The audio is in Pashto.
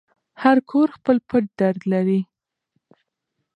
هر کور خپل پټ درد لري.